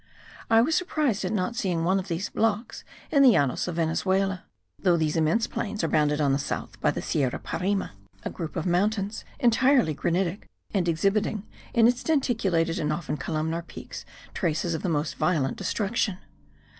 I was surprised at not seeing one of these blocks in the Llanos of Venezuela, though these immense plains are bounded on the south by the Sierra Parima, a group of mountains entirely granitic and exhibiting in its denticulated and often columnar peaks traces of the most violent destruction.